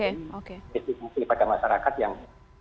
ini pada masyarakat yang